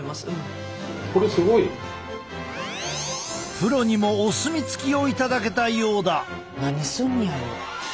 プロにもお墨付きを頂けたようだ！